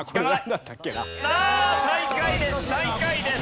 最下位です最下位です。